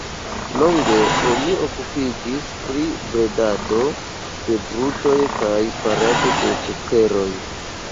Longe oni okupiĝis pri bredado de brutoj kaj farado de sukeroj.